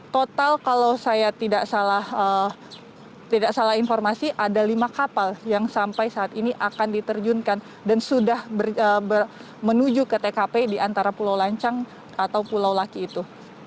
total kalau saya tidak salah informasi ada lima kapal yang sampai saat ini akan diterjunkan dan sudah menuju ke tkp di antara pulau lancang atau pulau laki itu